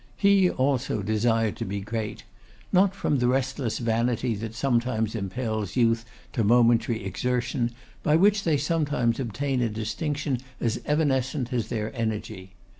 He also desired to be great. Not from the restless vanity that sometimes impels youth to momentary exertion, by which they sometimes obtain a distinction as evanescent as their energy.